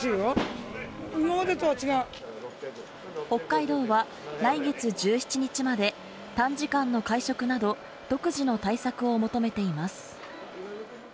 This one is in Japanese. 北海道は来月１７日まで短時間の会食など独自の対策を求めています